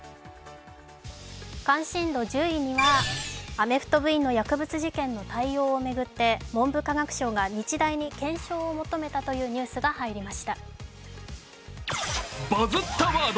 関心度１０位にはアメフト部員の薬物事件の対応を巡って文部科学省が日大に検証を求めたというニュースが入りました。